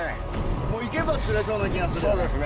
もう行けば釣れそうな気がするそうですね